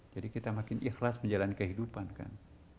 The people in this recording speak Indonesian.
jadi kita makin ikhlas menjalani kehidupan kan